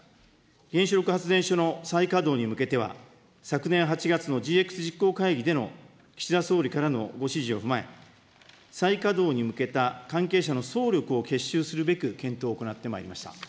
原子力発電所の再稼働に向けては、昨年８月のＧＸ実行会議での岸田総理からのご指示を踏まえ、再稼働に向けた関係者の総力を結集するべく検討を行ってまいりました。